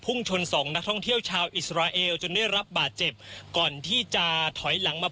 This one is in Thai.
ชนสองนักท่องเที่ยวชาวอิสราเอลจนได้รับบาดเจ็บก่อนที่จะถอยหลังมา